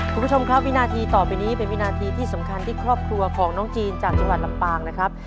คุณผู้ชมครับวินาทีต่อไปนี้เป็นวินาทีที่สำคัญที่ครอบครัวของน้องจีนจากจังหวัดลำปางนะครับ